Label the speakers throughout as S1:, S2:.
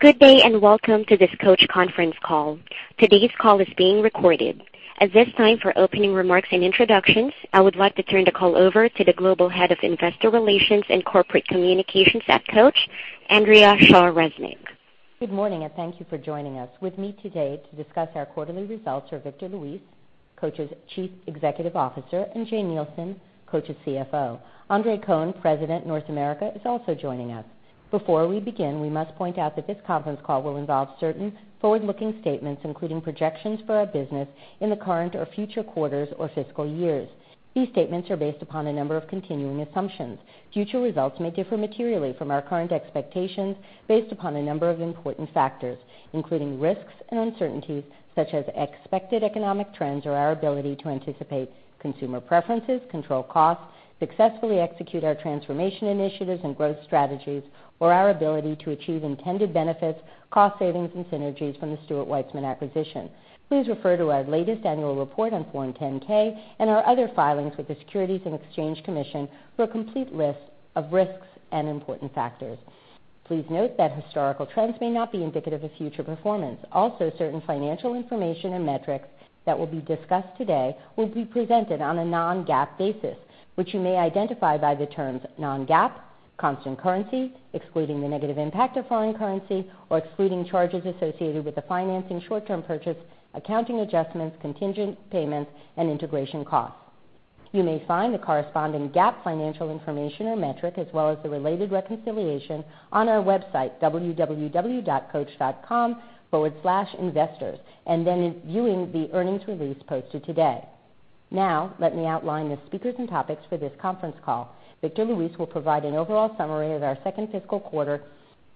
S1: Good day, welcome to this Coach conference call. Today's call is being recorded. At this time, for opening remarks and introductions, I would like to turn the call over to the Global Head of Investor Relations and Corporate Communications at Coach, Andrea Shaw Resnick.
S2: Good morning, thank you for joining us. With me today to discuss our quarterly results are Victor Luis, Coach's Chief Executive Officer, and Jane Nielsen, Coach's CFO. Andre Cohen, President, North America, is also joining us. Before we begin, we must point out that this conference call will involve certain forward-looking statements, including projections for our business in the current or future quarters or fiscal years. These statements are based upon a number of continuing assumptions. Future results may differ materially from our current expectations based upon a number of important factors, including risks and uncertainties such as expected economic trends or our ability to anticipate consumer preferences, control costs, successfully execute our transformation initiatives and growth strategies, or our ability to achieve intended benefits, cost savings, and synergies from the Stuart Weitzman acquisition. Please refer to our latest annual report on Form 10-K and our other filings with the Securities and Exchange Commission for a complete list of risks and important factors. Please note that historical trends may not be indicative of future performance. Also, certain financial information and metrics that will be discussed today will be presented on a non-GAAP basis, which you may identify by the terms non-GAAP, constant currency, excluding the negative impact of foreign currency, or excluding charges associated with the financing, short-term purchase, accounting adjustments, contingent payments, and integration costs. You may find the corresponding GAAP financial information or metric, as well as the related reconciliation on our website www.coach.com/investors and then viewing the earnings release posted today. Let me outline the speakers and topics for this conference call. Victor Luis will provide an overall summary of our second fiscal quarter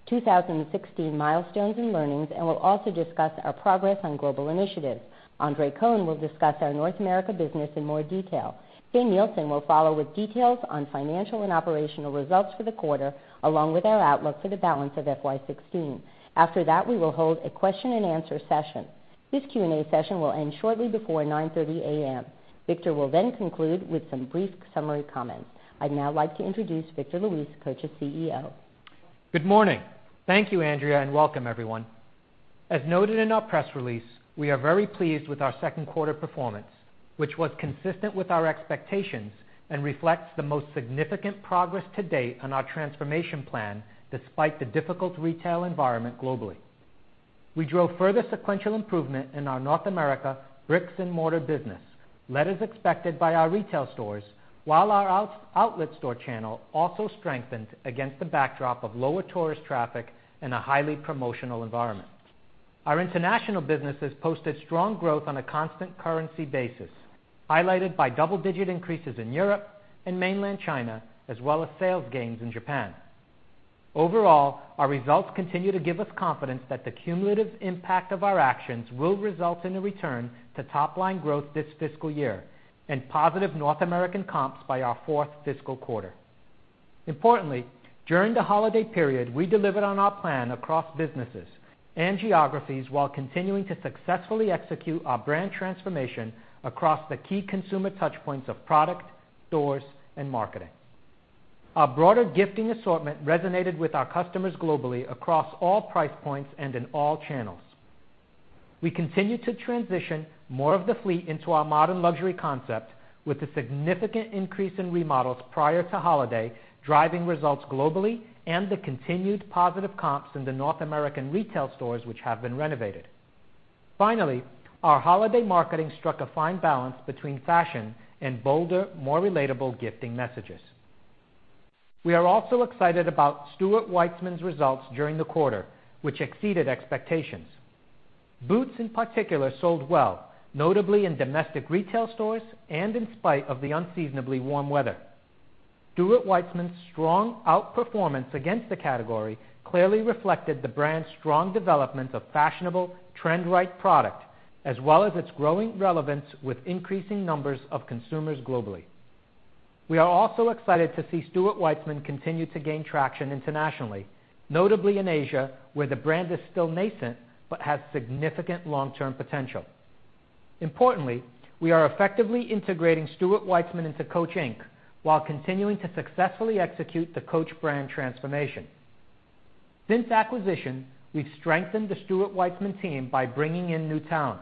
S2: 2016 milestones and learnings and will also discuss our progress on global initiatives. Andre Cohen will discuss our North America business in more detail. Jane Nielsen will follow with details on financial and operational results for the quarter, along with our outlook for the balance of FY 2016. After that, we will hold a question-and-answer session. This Q&A session will end shortly before 9:30 A.M. Victor will conclude with some brief summary comments. I'd now like to introduce Victor Luis, Coach's CEO.
S3: Good morning. Thank you, Andrea, and welcome everyone. As noted in our press release, we are very pleased with our second quarter performance, which was consistent with our expectations and reflects the most significant progress to date on our transformation plan, despite the difficult retail environment globally. We drove further sequential improvement in our North America bricks and mortar business, led as expected by our retail stores, while our outlet store channel also strengthened against the backdrop of lower tourist traffic and a highly promotional environment. Our international businesses posted strong growth on a constant currency basis, highlighted by double-digit increases in Europe and mainland China, as well as sales gains in Japan. Overall, our results continue to give us confidence that the cumulative impact of our actions will result in a return to top-line growth this fiscal year and positive North American comps by our fourth fiscal quarter. Importantly, during the holiday period, we delivered on our plan across businesses and geographies while continuing to successfully execute our brand transformation across the key consumer touchpoints of product, stores, and marketing. Our broader gifting assortment resonated with our customers globally across all price points and in all channels. We continue to transition more of the fleet into our modern luxury concept with a significant increase in remodels prior to holiday, driving results globally and the continued positive comps in the North American retail stores which have been renovated. Finally, our holiday marketing struck a fine balance between fashion and bolder, more relatable gifting messages. We are also excited about Stuart Weitzman's results during the quarter, which exceeded expectations. Boots, in particular, sold well, notably in domestic retail stores and in spite of the unseasonably warm weather. Stuart Weitzman's strong outperformance against the category clearly reflected the brand's strong development of fashionable, trend-right product, as well as its growing relevance with increasing numbers of consumers globally. We are also excited to see Stuart Weitzman continue to gain traction internationally, notably in Asia, where the brand is still nascent but has significant long-term potential. Importantly, we are effectively integrating Stuart Weitzman into Coach Inc. while continuing to successfully execute the Coach brand transformation. Since acquisition, we've strengthened the Stuart Weitzman team by bringing in new talent.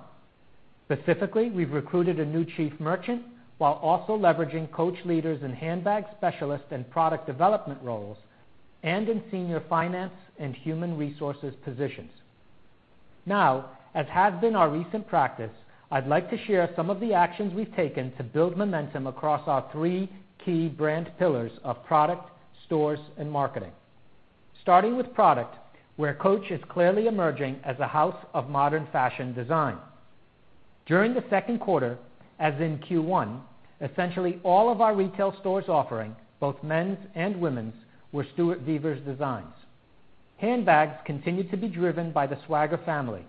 S3: Specifically, we've recruited a new chief merchant while also leveraging Coach leaders in handbag specialist and product development roles and in senior finance and human resources positions. Now, as has been our recent practice, I'd like to share some of the actions we've taken to build momentum across our three key brand pillars of product, stores, and marketing. Starting with product, where Coach is clearly emerging as a house of modern fashion design. During the second quarter, as in Q1, essentially all of our retail stores offering, both men's and women's, were Stuart Vevers' designs. Handbags continued to be driven by the Swagger family,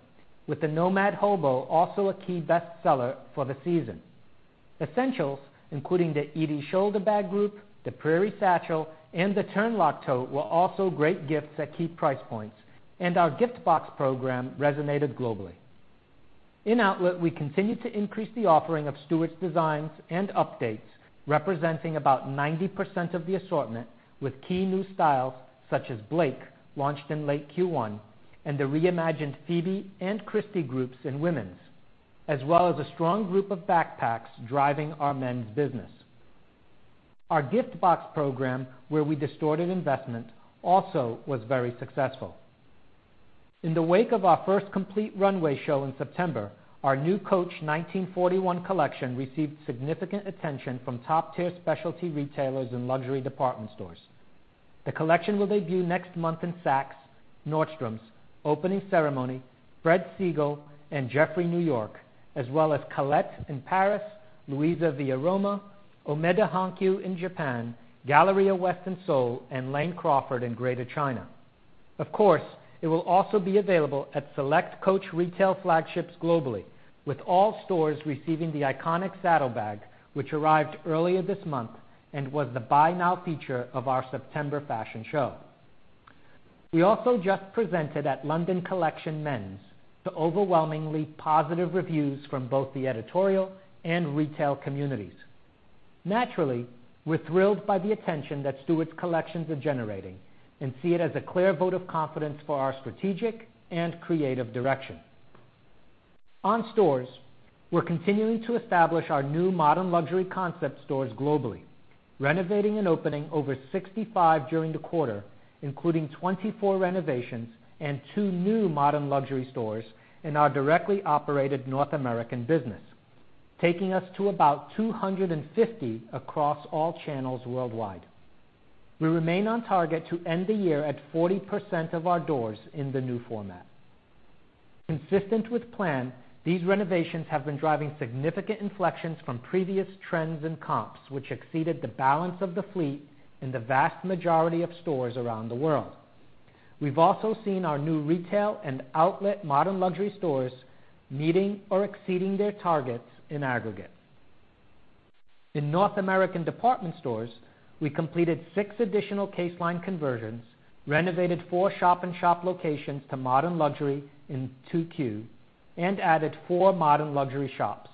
S3: with the Nomad Hobo also a key best seller for the season. Essentials, including the Edie shoulder bag group, the Prairie Satchel, and the Turnlock Tote, were also great gifts at key price points, and our gift box program resonated globally. In outlet, we continued to increase the offering of Stuart's designs and updates, representing about 90% of the assortment, with key new styles such as Blake, launched in late Q1, and the reimagined Phoebe and Christy groups in women's, as well as a strong group of backpacks driving our men's business. Our gift box program, where we distorted investment, also was very successful. In the wake of our first complete runway show in September, our new Coach 1941 collection received significant attention from top-tier specialty retailers and luxury department stores. The collection will debut next month in Saks, Nordstrom, Opening Ceremony, Fred Segal, and Jeffrey New York, as well as Colette in Paris, LuisaViaRoma, Omotesando Hankyu in Japan, Galleria West in Seoul, and Lane Crawford in Greater China. Of course, it will also be available at select Coach retail flagships globally, with all stores receiving the iconic Saddle Bag, which arrived earlier this month and was the buy now feature of our September fashion show. We also just presented at London Collections Men to overwhelmingly positive reviews from both the editorial and retail communities. Naturally, we're thrilled by the attention that Stuart's collections are generating and see it as a clear vote of confidence for our strategic and creative direction. On stores, we're continuing to establish our new modern luxury concept stores globally, renovating and opening over 65 during the quarter, including 24 renovations and two new modern luxury stores in our directly operated North American business, taking us to about 250 across all channels worldwide. We remain on target to end the year at 40% of our doors in the new format. Consistent with plan, these renovations have been driving significant inflections from previous trends in comps, which exceeded the balance of the fleet in the vast majority of stores around the world. We've also seen our new retail and outlet modern luxury stores meeting or exceeding their targets in aggregate. In North American department stores, we completed six additional case line conversions, renovated four shop-in-shop locations to modern luxury in 2Q, and added four modern luxury shops.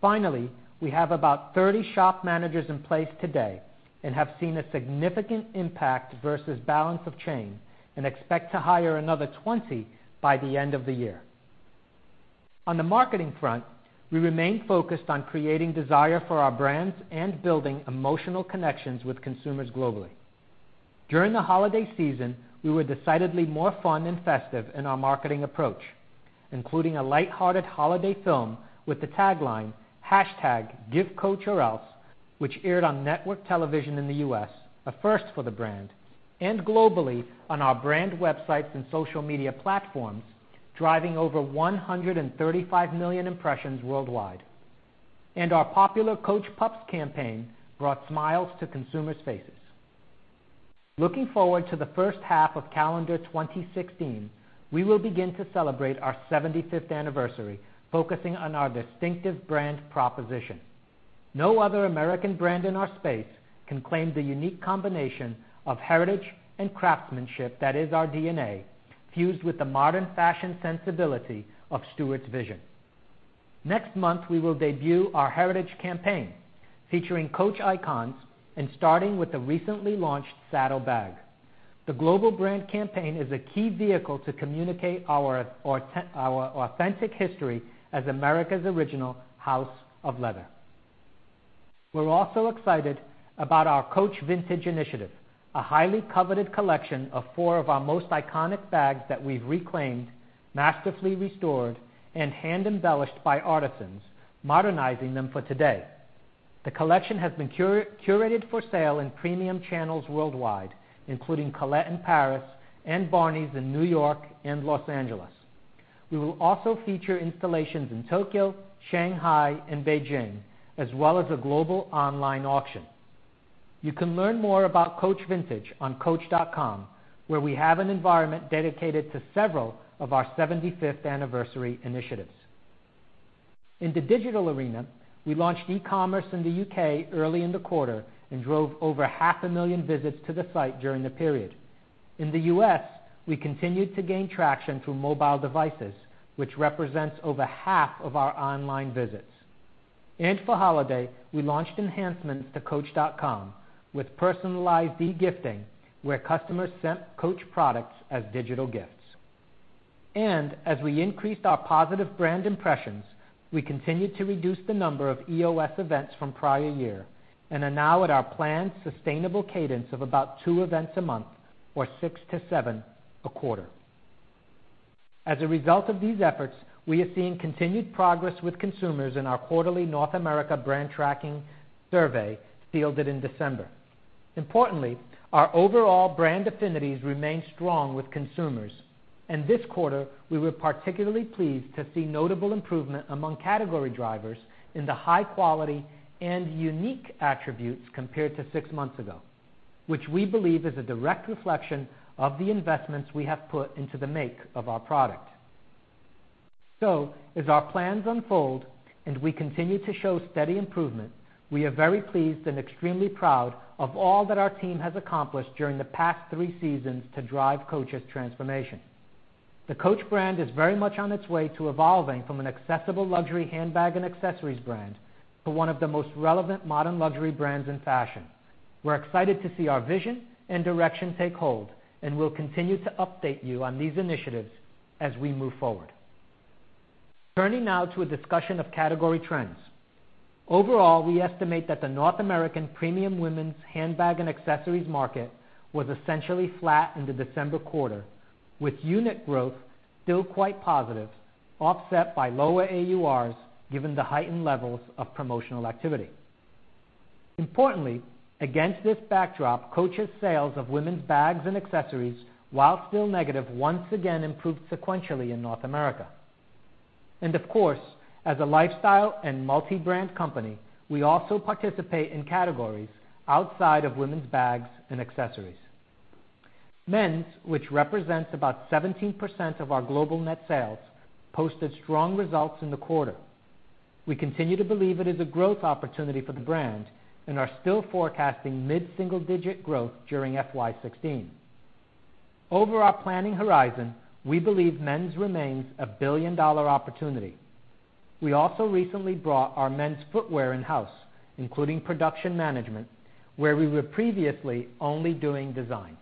S3: Finally, we have about 30 shop managers in place today and have seen a significant impact versus balance of chain and expect to hire another 20 by the end of the year. On the marketing front, we remain focused on creating desire for our brands and building emotional connections with consumers globally. During the holiday season, we were decidedly more fun and festive in our marketing approach, including a lighthearted holiday film with the tagline #GiveCoachOrElse, which aired on network television in the U.S., a first for the brand, and globally on our brand websites and social media platforms, driving over 135 million impressions worldwide. Our popular Coach Pups campaign brought smiles to consumers' faces. Looking forward to the first half of calendar 2016, we will begin to celebrate our 75th anniversary, focusing on our distinctive brand proposition. No other American brand in our space can claim the unique combination of heritage and craftsmanship that is our DNA, fused with the modern fashion sensibility of Stuart's vision. Next month, we will debut our heritage campaign featuring Coach icons and starting with the recently launched Saddle Bag. The global brand campaign is a key vehicle to communicate our authentic history as America's original house of leather. We're also excited about our Coach Vintage initiative, a highly coveted collection of four of our most iconic bags that we've reclaimed, masterfully restored, and hand-embellished by artisans, modernizing them for today. The collection has been curated for sale in premium channels worldwide, including Colette in Paris and Barneys in New York and Los Angeles. We will also feature installations in Tokyo, Shanghai, and Beijing, as well as a global online auction. You can learn more about Coach Vintage on coach.com, where we have an environment dedicated to several of our 75th anniversary initiatives. In the digital arena, we launched e-commerce in the U.K. early in the quarter and drove over half a million visits to the site during the period. In the U.S., we continued to gain traction through mobile devices, which represents over half of our online visits. For holiday, we launched enhancements to coach.com with personalized e-gifting, where customers sent Coach products as digital gifts. As we increased our positive brand impressions, we continued to reduce the number of EOS events from prior year and are now at our planned sustainable cadence of about two events a month or six to seven a quarter. As a result of these efforts, we have seen continued progress with consumers in our quarterly North America brand tracking survey fielded in December. Importantly, our overall brand affinities remain strong with consumers, and this quarter, we were particularly pleased to see notable improvement among category drivers in the high quality and unique attributes compared to six months ago, which we believe is a direct reflection of the investments we have put into the make of our product. As our plans unfold and we continue to show steady improvement, we are very pleased and extremely proud of all that our team has accomplished during the past three seasons to drive Coach's transformation. The Coach brand is very much on its way to evolving from an accessible luxury handbag and accessories brand to one of the most relevant modern luxury brands in fashion. We're excited to see our vision and direction take hold. We'll continue to update you on these initiatives as we move forward. Turning now to a discussion of category trends. Overall, we estimate that the North American premium women's handbag and accessories market was essentially flat in the December quarter, with unit growth still quite positive, offset by lower AURs, given the heightened levels of promotional activity. Importantly, against this backdrop, Coach's sales of women's bags and accessories, while still negative, once again improved sequentially in North America. Of course, as a lifestyle and multi-brand company, we also participate in categories outside of women's bags and accessories. Men's, which represents about 17% of our global net sales, posted strong results in the quarter. We continue to believe it is a growth opportunity for the brand and are still forecasting mid-single-digit growth during FY 2016. Over our planning horizon, we believe men's remains a billion-dollar opportunity. We also recently brought our men's footwear in-house, including production management, where we were previously only doing design.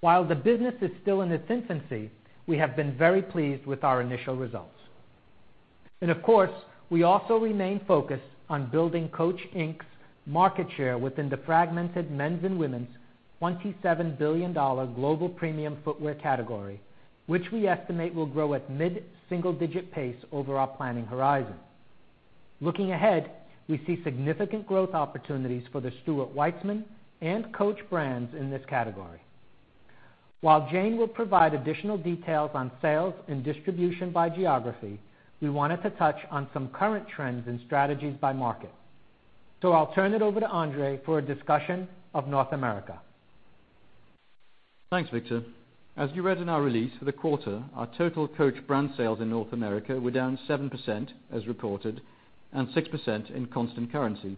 S3: While the business is still in its infancy, we have been very pleased with our initial results. Of course, we also remain focused on building Coach, Inc.'s market share within the fragmented men's and women's $27 billion global premium footwear category, which we estimate will grow at mid-single-digit pace over our planning horizon. Looking ahead, we see significant growth opportunities for the Stuart Weitzman and Coach brands in this category. While Jane will provide additional details on sales and distribution by geography, we wanted to touch on some current trends and strategies by market. I'll turn it over to Andre for a discussion of North America.
S4: Thanks, Victor. As you read in our release for the quarter, our total Coach brand sales in North America were down 7% as reported and 6% in constant currency.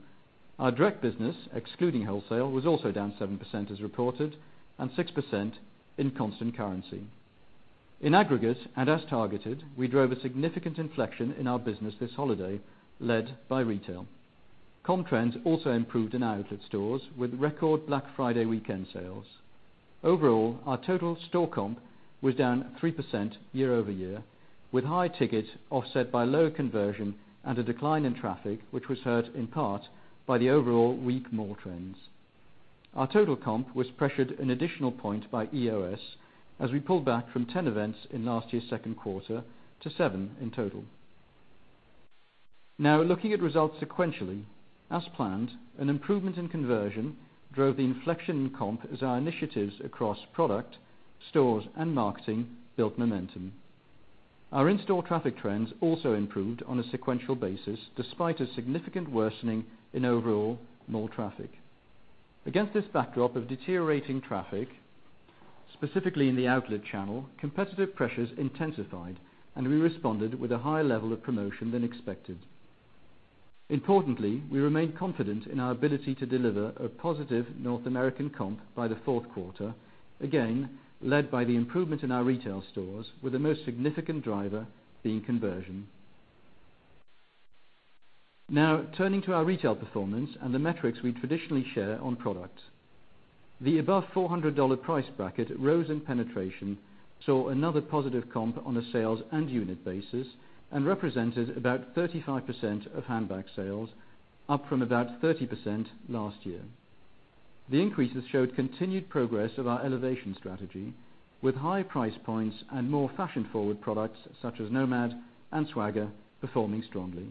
S4: Our direct business, excluding wholesale, was also down 7% as reported and 6% in constant currency. As targeted, we drove a significant inflection in our business this holiday, led by retail. Comp trends also improved in our outlet stores with record Black Friday weekend sales. Overall, our total store comp was down 3% year-over-year, with high ticket offset by low conversion and a decline in traffic, which was hurt in part by the overall weak mall trends. Our total comp was pressured an additional point by EOS, as we pulled back from 10 events in last year's second quarter to seven in total. Looking at results sequentially, as planned, an improvement in conversion drove the inflection in comp as our initiatives across product, stores, and marketing built momentum. Our in-store traffic trends also improved on a sequential basis, despite a significant worsening in overall mall traffic. Against this backdrop of deteriorating traffic, specifically in the outlet channel, competitive pressures intensified, and we responded with a higher level of promotion than expected. Importantly, we remain confident in our ability to deliver a positive North American comp by the fourth quarter, again, led by the improvement in our retail stores, with the most significant driver being conversion. Turning to our retail performance and the metrics we traditionally share on product. The above $400 price bracket rose in penetration, saw another positive comp on a sales and unit basis, and represented about 35% of handbag sales, up from about 30% last year. The increases showed continued progress of our elevation strategy with higher price points and more fashion-forward products, such as Nomad and Swagger, performing strongly.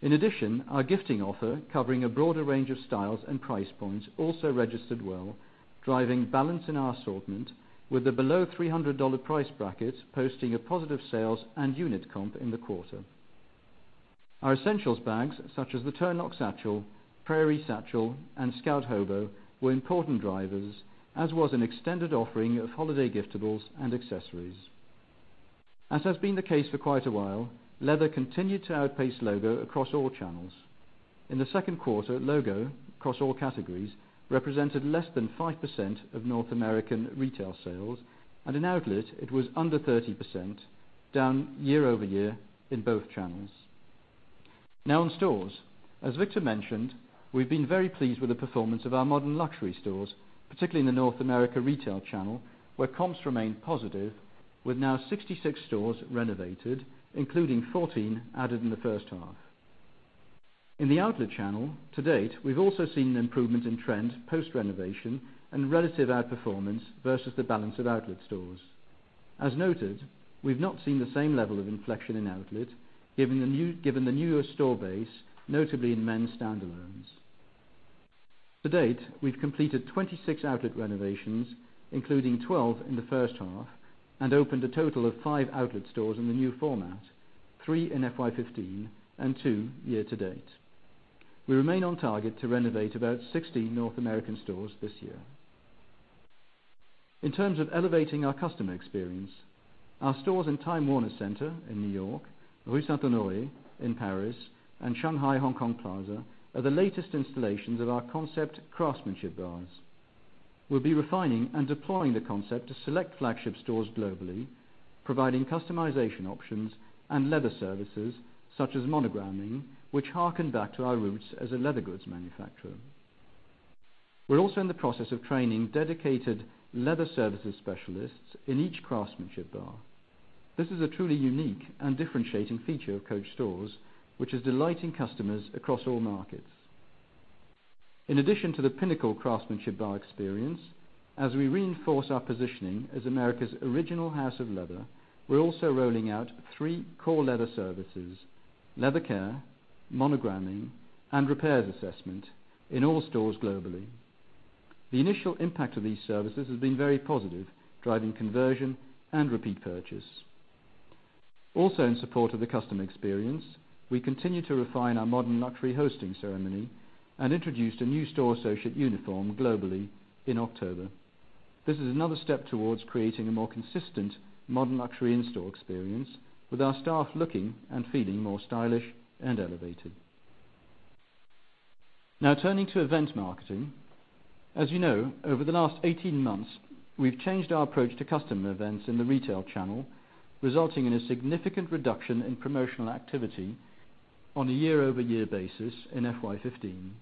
S4: In addition, our gifting offer, covering a broader range of styles and price points, also registered well, driving balance in our assortment with the below $300 price brackets posting a positive sales and unit comp in the quarter. Our essentials bags, such as the Turnlock Satchel, Prairie Satchel, and Scout Hobo, were important drivers, as was an extended offering of holiday giftables and accessories. As has been the case for quite a while, leather continued to outpace logo across all channels. In the second quarter, logo, across all categories, represented less than 5% of North American retail sales, and in outlet, it was under 30%, down year-over-year in both channels. In stores. As Victor mentioned, we've been very pleased with the performance of our modern luxury stores, particularly in the North America retail channel, where comps remain positive with now 66 stores renovated, including 14 added in the first half. In the outlet channel, to date, we've also seen an improvement in trend post-renovation and relative outperformance versus the balance of outlet stores. As noted, we've not seen the same level of inflection in outlet, given the newer store base, notably in men's standalones. To date, we've completed 26 outlet renovations, including 12 in the first half, and opened a total of five outlet stores in the new format, three in FY 2015 and two year to date. We remain on target to renovate about 16 North American stores this year. In terms of elevating our customer experience, our stores in Time Warner Center in New York, Rue Saint-Honoré in Paris, and Shanghai Hong Kong Plaza are the latest installations of our concept craftsmanship bars. We'll be refining and deploying the concept to select flagship stores globally, providing customization options and leather services such as monogramming, which harken back to our roots as a leather goods manufacturer. We're also in the process of training dedicated leather services specialists in each craftsmanship bar. This is a truly unique and differentiating feature of Coach stores, which is delighting customers across all markets. In addition to the pinnacle craftsmanship bar experience, as we reinforce our positioning as America's original house of leather, we're also rolling out three core leather services, leather care, monogramming, and repairs assessment, in all stores globally. The initial impact of these services has been very positive, driving conversion and repeat purchase. In support of the customer experience, we continue to refine our modern luxury hosting ceremony and introduced a new store associate uniform globally in October. This is another step towards creating a more consistent modern luxury in-store experience with our staff looking and feeling more stylish and elevated. Turning to event marketing. As you know, over the last 18 months, we've changed our approach to customer events in the retail channel, resulting in a significant reduction in promotional activity on a year-over-year basis in FY 2015.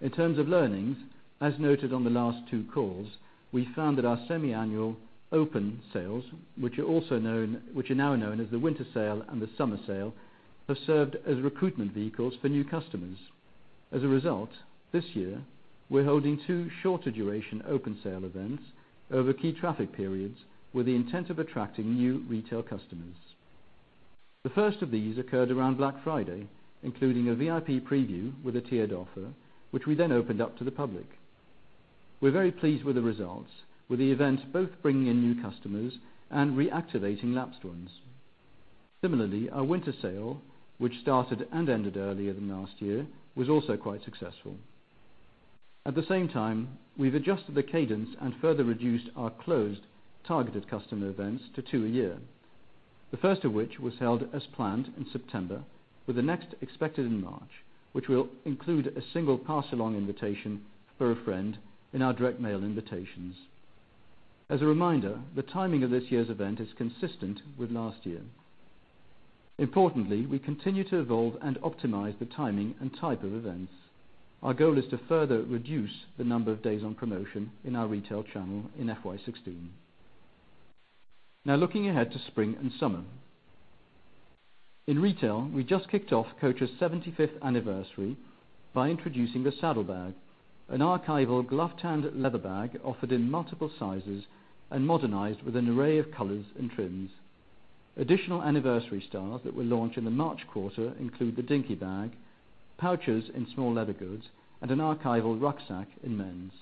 S4: In terms of learnings, as noted on the last two calls, we found that our semiannual open sales, which are now known as the winter sale and the summer sale, have served as recruitment vehicles for new customers. This year, we're holding two shorter duration open sale events over key traffic periods with the intent of attracting new retail customers. The first of these occurred around Black Friday, including a VIP preview with a tiered offer, which we then opened up to the public. We're very pleased with the results, with the event both bringing in new customers and reactivating lapsed ones. Similarly, our winter sale, which started and ended earlier than last year, was also quite successful. We've adjusted the cadence and further reduced our closed targeted customer events to two a year. The first of which was held as planned in September with the next expected in March, which will include a single pass along invitation for a friend in our direct mail invitations. As a reminder, the timing of this year's event is consistent with last year. We continue to evolve and optimize the timing and type of events. Our goal is to further reduce the number of days on promotion in our retail channel in FY 2016. Looking ahead to spring and summer. In retail, we just kicked off Coach's 75th anniversary by introducing the Saddle Bag, an archival gloved hand leather bag offered in multiple sizes and modernized with an array of colors and trims. Additional anniversary styles that will launch in the March quarter include the Dinky Bag, pouches in small leather goods, and an archival rucksack in men's.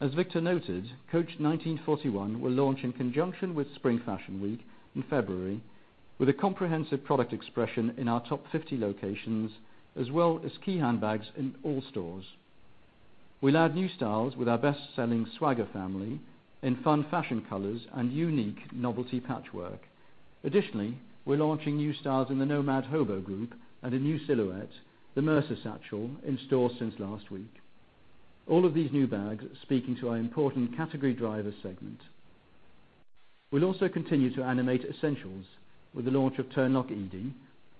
S4: As Victor noted, Coach 1941 will launch in conjunction with Spring Fashion Week in February with a comprehensive product expression in our top 50 locations as well as key handbags in all stores. We allowed new styles with our best-selling Swagger family in fun fashion colors and unique novelty patchwork. Additionally, we're launching new styles in the Nomad Hobo group and a new silhouette, the Mercer Satchel, in stores since last week. All of these new bags are speaking to our important category driver segment. We'll also continue to animate essentials with the launch of Turnlock Edie,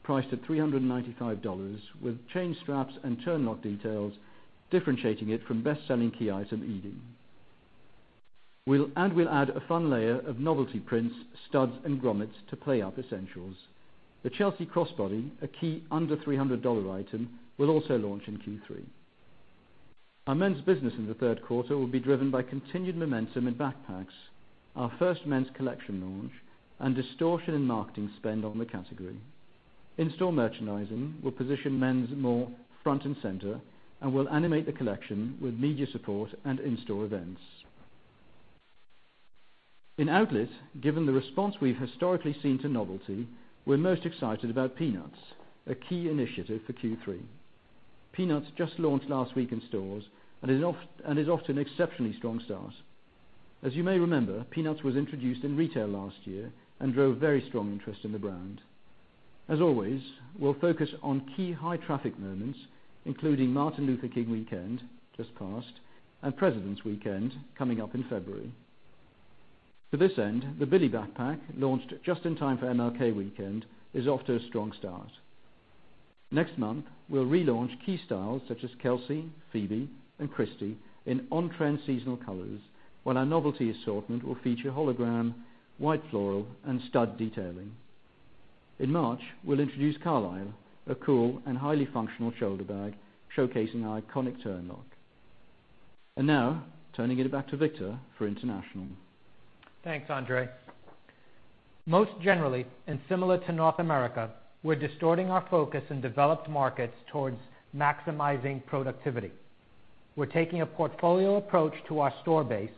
S4: priced at $395 with chain straps and turnlock details differentiating it from best-selling key item Edie. We'll add a fun layer of novelty prints, studs, and grommets to play up essentials. The Chelsea Crossbody, a key under $300 item, will also launch in Q3. Our men's business in the third quarter will be driven by continued momentum in backpacks, our first men's collection launch, and distortion in marketing spend on the category. In-store merchandising will position men's more front and center and will animate the collection with media support and in-store events. In outlet, given the response we've historically seen to novelty, we're most excited about Peanuts, a key initiative for Q3. Peanuts just launched last week in stores and is off to an exceptionally strong start. As you may remember, Peanuts was introduced in retail last year and drove very strong interest in the brand. As always, we'll focus on key high traffic moments, including Martin Luther King weekend, just passed, and Presidents' weekend, coming up in February. To this end, the Billy backpack, launched just in time for MLK weekend, is off to a strong start. Next month, we'll relaunch key styles such as Kelsey, Phoebe, and Christie in on-trend seasonal colors, while our novelty assortment will feature hologram, white floral, and stud detailing. In March, we'll introduce Carlyle, a cool and highly functional shoulder bag showcasing our iconic turnlock. Now, turning it back to Victor for international.
S3: Thanks, Andre. Most generally, similar to North America, we're distorting our focus in developed markets towards maximizing productivity. We're taking a portfolio approach to our store base,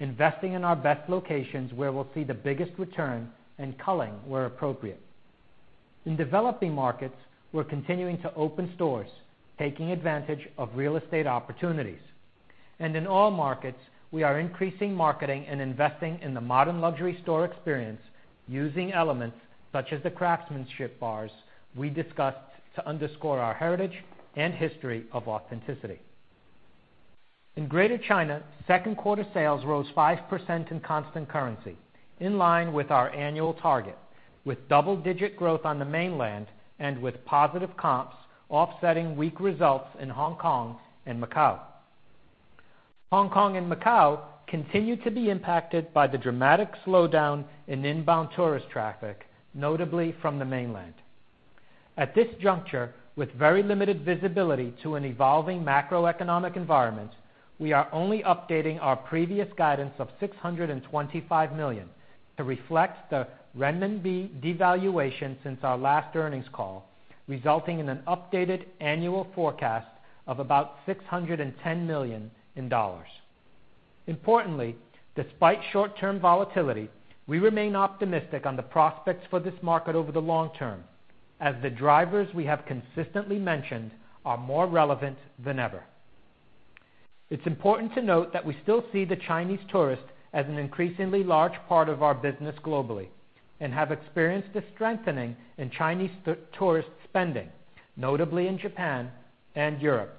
S3: investing in our best locations where we'll see the biggest return and culling where appropriate. In developing markets, we're continuing to open stores, taking advantage of real estate opportunities. In all markets, we are increasing marketing and investing in the modern luxury store experience using elements such as the craftsmanship bars we discussed to underscore our heritage and history of authenticity. In Greater China, second quarter sales rose 5% in constant currency, in line with our annual target, with double-digit growth on the mainland and with positive comps offsetting weak results in Hong Kong and Macau. Hong Kong and Macau continue to be impacted by the dramatic slowdown in inbound tourist traffic, notably from the mainland. At this juncture, with very limited visibility to an evolving macroeconomic environment, we are only updating our previous guidance of $625 million to reflect the renminbi devaluation since our last earnings call, resulting in an updated annual forecast of about $610 million. Importantly, despite short-term volatility, we remain optimistic on the prospects for this market over the long term, as the drivers we have consistently mentioned are more relevant than ever. It's important to note that we still see the Chinese tourist as an increasingly large part of our business globally and have experienced a strengthening in Chinese tourist spending, notably in Japan and Europe.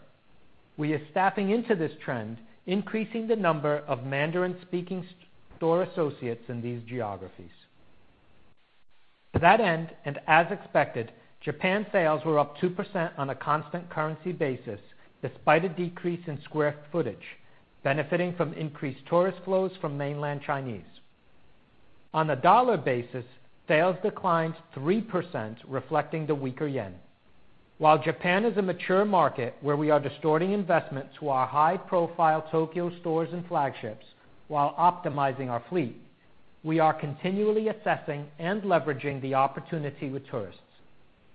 S3: We are staffing into this trend, increasing the number of Mandarin-speaking store associates in these geographies. To that end, as expected, Japan sales were up 2% on a constant currency basis despite a decrease in square footage, benefiting from increased tourist flows from mainland Chinese. On a dollar basis, sales declined 3%, reflecting the weaker yen. While Japan is a mature market where we are distorting investment to our high-profile Tokyo stores and flagships while optimizing our fleet, we are continually assessing and leveraging the opportunity with tourists.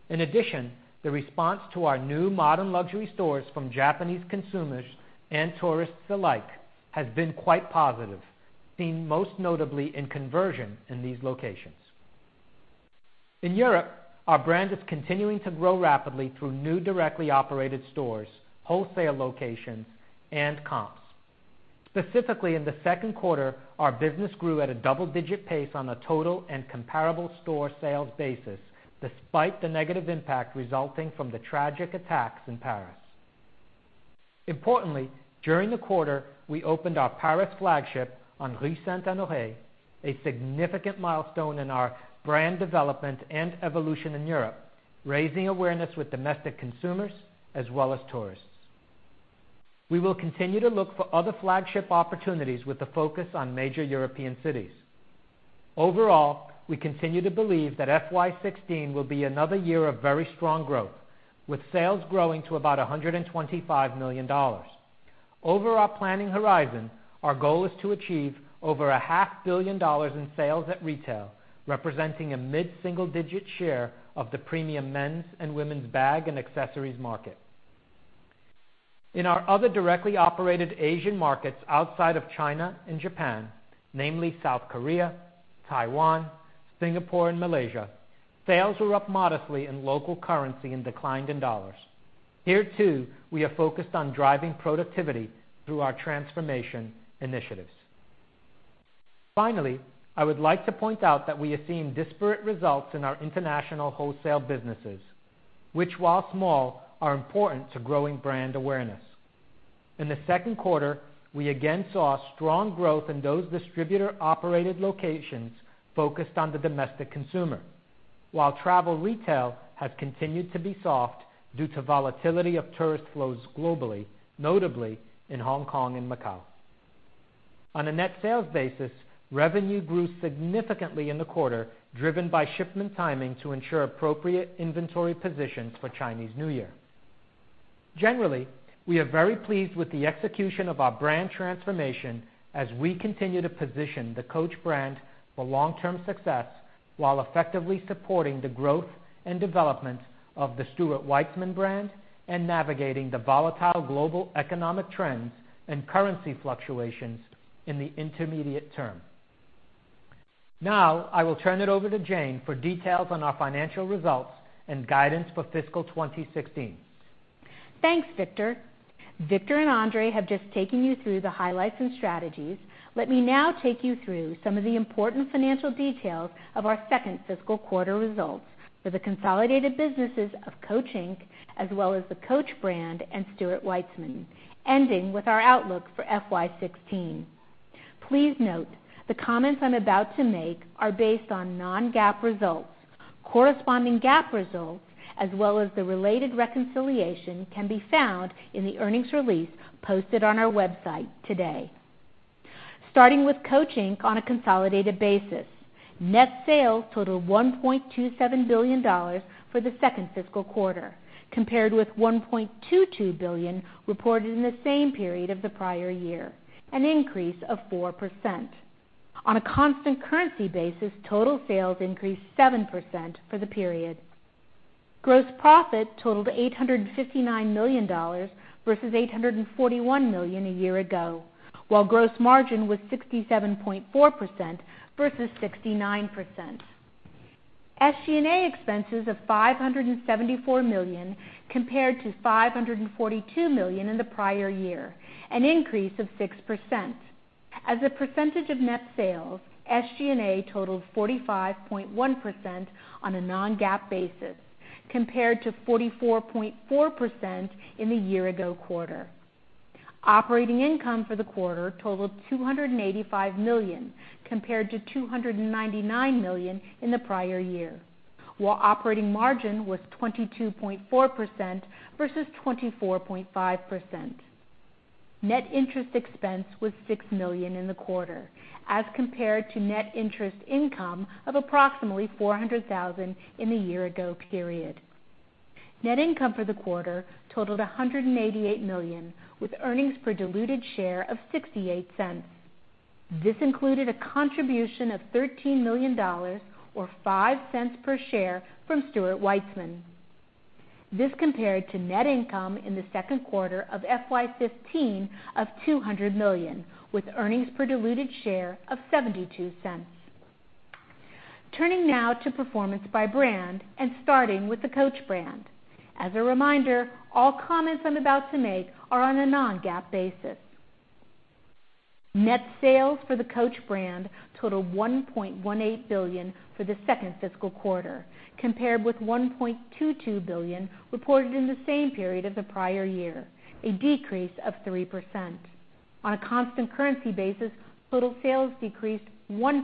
S3: In addition, the response to our new modern luxury stores from Japanese consumers and tourists alike has been quite positive, seen most notably in conversion in these locations. In Europe, our brand is continuing to grow rapidly through new directly operated stores, wholesale locations, and comps. Specifically in the second quarter, our business grew at a double-digit pace on a total and comparable store sales basis, despite the negative impact resulting from the tragic attacks in Paris. Importantly, during the quarter, we opened our Paris flagship on Rue Saint-Honoré, a significant milestone in our brand development and evolution in Europe, raising awareness with domestic consumers as well as tourists. We will continue to look for other flagship opportunities with a focus on major European cities. Overall, we continue to believe that FY 2016 will be another year of very strong growth, with sales growing to about $125 million. Over our planning horizon, our goal is to achieve over a half billion dollars in sales at retail, representing a mid-single-digit share of the premium men's and women's bag and accessories market. In our other directly operated Asian markets outside of China and Japan, namely South Korea, Taiwan, Singapore, and Malaysia, sales were up modestly in local currency and declined in dollars. Here too, we are focused on driving productivity through our transformation initiatives. Finally, I would like to point out that we have seen disparate results in our international wholesale businesses, which while small, are important to growing brand awareness. In the second quarter, we again saw strong growth in those distributor-operated locations focused on the domestic consumer. While travel retail has continued to be soft due to volatility of tourist flows globally, notably in Hong Kong and Macau. On a net sales basis, revenue grew significantly in the quarter, driven by shipment timing to ensure appropriate inventory positions for Chinese New Year. Generally, we are very pleased with the execution of our brand transformation as we continue to position the Coach brand for long-term success while effectively supporting the growth and development of the Stuart Weitzman brand and navigating the volatile global economic trends and currency fluctuations in the intermediate term. I will turn it over to Jane for details on our financial results and guidance for fiscal 2016.
S5: Thanks, Victor. Victor and Andre Cohen have just taken you through the highlights and strategies. Let me now take you through some of the important financial details of our second fiscal quarter results for the consolidated businesses of Coach, Inc., as well as the Coach brand and Stuart Weitzman, ending with our outlook for FY 2016. Please note the comments I'm about to make are based on non-GAAP results. Corresponding GAAP results, as well as the related reconciliation, can be found in the earnings release posted on our website today. Starting with Coach, Inc. on a consolidated basis, net sales totaled $1.27 billion for the second fiscal quarter, compared with $1.22 billion reported in the same period of the prior year, an increase of 4%. On a constant currency basis, total sales increased 7% for the period. Gross profit totaled $859 million versus $841 million a year ago, while gross margin was 67.4% versus 69%. SG&A expenses of $574 million compared to $542 million in the prior year, an increase of 6%. As a percentage of net sales, SG&A totaled 45.1% on a non-GAAP basis, compared to 44.4% in the year ago quarter. Operating income for the quarter totaled $285 million compared to $299 million in the prior year, while operating margin was 22.4% versus 24.5%. Net interest expense was $6 million in the quarter as compared to net interest income of approximately $400,000 in the year ago period. Net income for the quarter totaled $188 million, with earnings per diluted share of $0.68. This included a contribution of $13 million, or $0.05 per share from Stuart Weitzman. This compared to net income in the second quarter of FY 2015 of $200 million, with earnings per diluted share of $0.72. Turning now to performance by brand and starting with the Coach brand. As a reminder, all comments I'm about to make are on a non-GAAP basis. Net sales for the Coach brand totaled $1.18 billion for the second fiscal quarter, compared with $1.22 billion reported in the same period as the prior year, a decrease of 3%. On a constant currency basis, total sales decreased 1%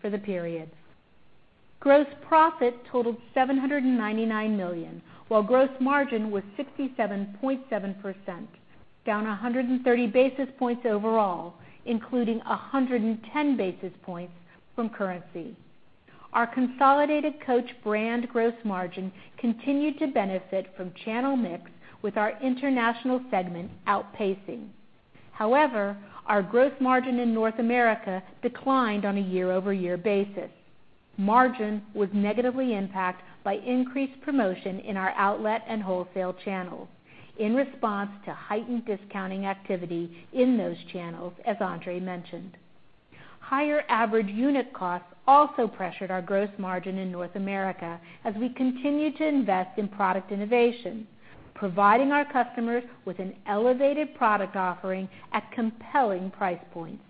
S5: for the period. Gross profit totaled $799 million, while gross margin was 67.7%, down 130 basis points overall, including 110 basis points from currency. Our consolidated Coach brand gross margin continued to benefit from channel mix, with our international segment outpacing. However, our gross margin in North America declined on a year-over-year basis. Margin was negatively impacted by increased promotion in our outlet and wholesale channels in response to heightened discounting activity in those channels, as Andre Cohen mentioned. Higher average unit costs also pressured our gross margin in North America as we continue to invest in product innovation, providing our customers with an elevated product offering at compelling price points.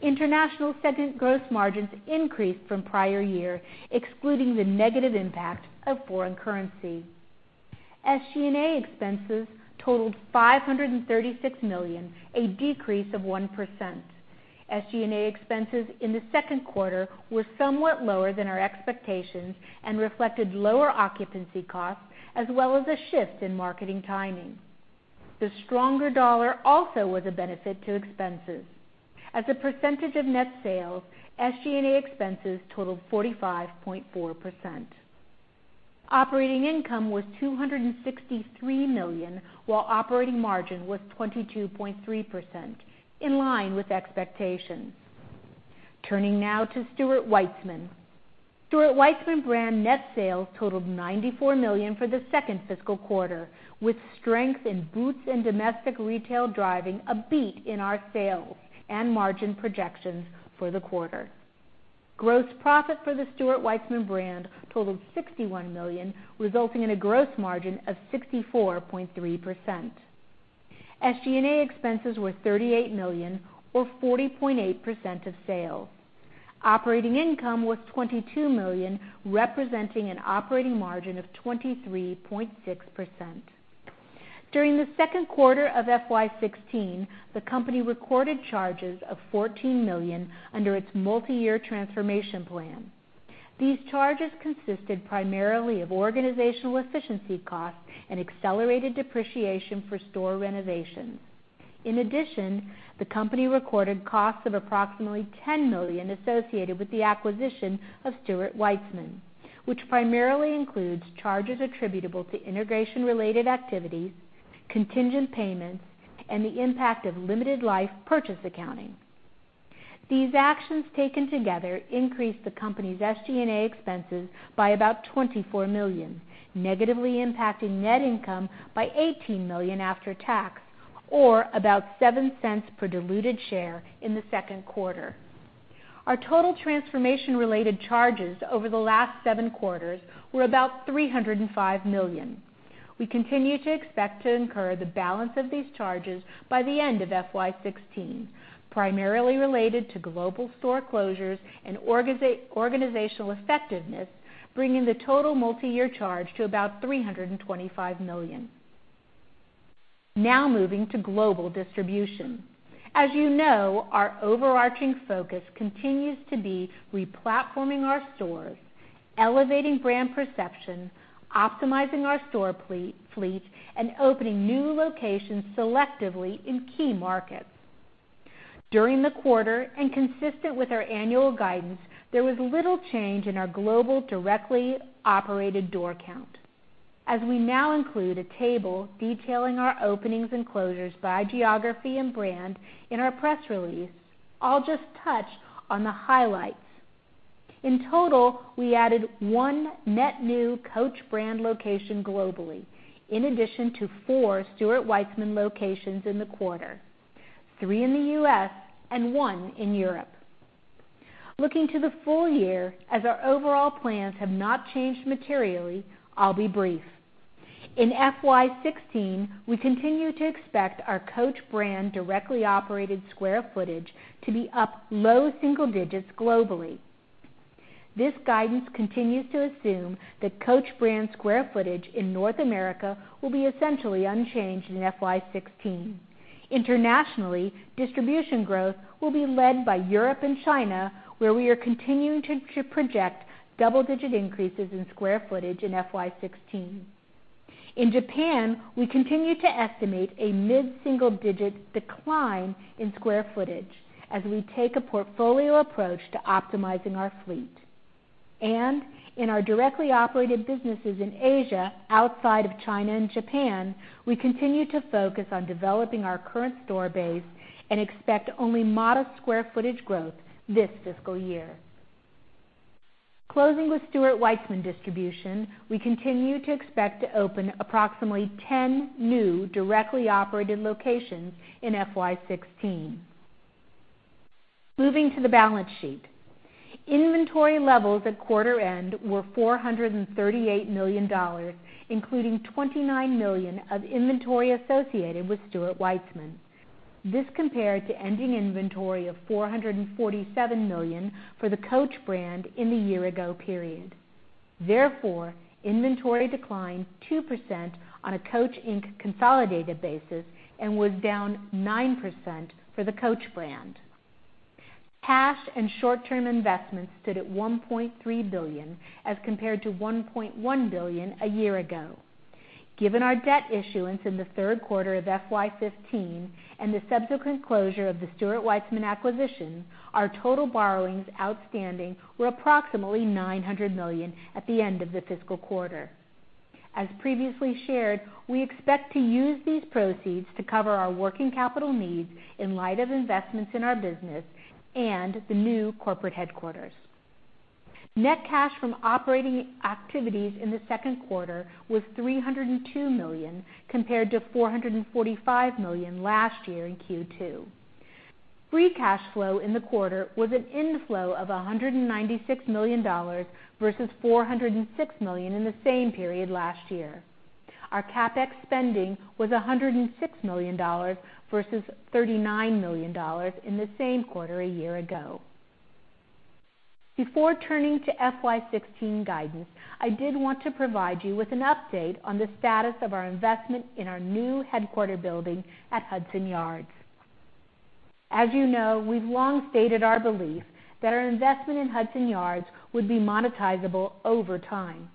S5: International segment gross margins increased from prior year, excluding the negative impact of foreign currency. SG&A expenses totaled $536 million, a decrease of 1%. SG&A expenses in the second quarter were somewhat lower than our expectations and reflected lower occupancy costs as well as a shift in marketing timing. The stronger dollar also was a benefit to expenses. As a percentage of net sales, SG&A expenses totaled 45.4%. Operating income was $263 million, while operating margin was 22.3%, in line with expectations. Turning now to Stuart Weitzman. Stuart Weitzman brand net sales totaled $94 million for the second fiscal quarter, with strength in boots and domestic retail driving a beat in our sales and margin projections for the quarter. Gross profit for the Stuart Weitzman brand totaled $61 million, resulting in a gross margin of 64.3%. SG&A expenses were $38 million or 40.8% of sales. Operating income was $22 million, representing an operating margin of 23.6%. During the second quarter of FY 2016, the company recorded charges of $14 million under its multi-year transformation plan. These charges consisted primarily of organizational efficiency costs and accelerated depreciation for store renovations. In addition, the company recorded costs of approximately $10 million associated with the acquisition of Stuart Weitzman, which primarily includes charges attributable to integration-related activities, contingent payments, and the impact of limited life purchase accounting. These actions taken together increased the company's SG&A expenses by about $24 million, negatively impacting net income by $18 million after tax, or about $0.07 per diluted share in the second quarter. Our total transformation-related charges over the last seven quarters were about $305 million. We continue to expect to incur the balance of these charges by the end of FY 2016, primarily related to global store closures and organizational effectiveness, bringing the total multi-year charge to about $325 million. Now moving to global distribution. As you know, our overarching focus continues to be replatforming our stores, elevating brand perception, optimizing our store fleet, and opening new locations selectively in key markets. During the quarter, and consistent with our annual guidance, there was little change in our global directly operated door count. As we now include a table detailing our openings and closures by geography and brand in our press release, I'll just touch on the highlights. In total, we added one net new Coach brand location globally, in addition to four Stuart Weitzman locations in the quarter, three in the U.S. and one in Europe. Looking to the full year, as our overall plans have not changed materially, I'll be brief. In FY 2016, we continue to expect our Coach brand directly operated square footage to be up low single digits globally. This guidance continues to assume that Coach brand square footage in North America will be essentially unchanged in FY 2016. Internationally, distribution growth will be led by Europe and China, where we are continuing to project double-digit increases in square footage in FY 2016. In Japan, we continue to estimate a mid-single-digit decline in square footage as we take a portfolio approach to optimizing our fleet. In our directly operated businesses in Asia, outside of China and Japan, we continue to focus on developing our current store base and expect only modest square footage growth this fiscal year. Closing with Stuart Weitzman distribution, we continue to expect to open approximately 10 new directly operated locations in FY 2016. Moving to the balance sheet. Inventory levels at quarter end were $438 million, including $29 million of inventory associated with Stuart Weitzman. This compared to ending inventory of $447 million for the Coach brand in the year ago period. Therefore, inventory declined 2% on a Coach, Inc. consolidated basis and was down 9% for the Coach brand. Cash and short-term investments stood at $1.3 billion as compared to $1.1 billion a year ago. Given our debt issuance in the third quarter of FY 2015 and the subsequent closure of the Stuart Weitzman acquisition, our total borrowings outstanding were approximately $900 million at the end of the fiscal quarter. As previously shared, we expect to use these proceeds to cover our working capital needs in light of investments in our business and the new corporate headquarters. Net cash from operating activities in the second quarter was $302 million, compared to $445 million last year in Q2. Free cash flow in the quarter was an inflow of $196 million versus $406 million in the same period last year. Our CapEx spending was $106 million versus $39 million in the same quarter a year ago. Before turning to FY 2016 guidance, I did want to provide you with an update on the status of our investment in our new headquarter building at Hudson Yards. You know, we've long stated our belief that our investment in Hudson Yards would be monetizable over time.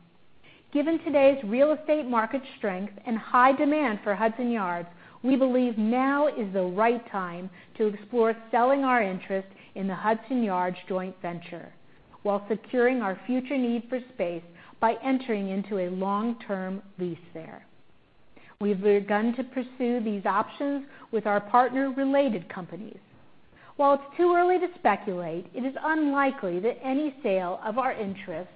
S5: Given today's real estate market strength and high demand for Hudson Yards, we believe now is the right time to explore selling our interest in the Hudson Yards joint venture while securing our future need for space by entering into a long-term lease there. We've begun to pursue these options with our partner, Related Companies. While it's too early to speculate, it is unlikely that any sale of our interest